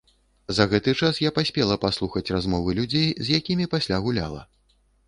За гэты час я паспела паслухаць размовы людзей, з якімі пасля гуляла.